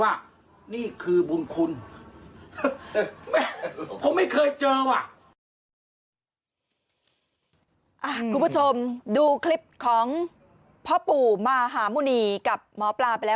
คุณผู้ชมดูคลิปของพ่อปู่มหาหมุณีกับหมอปลาไปแล้ว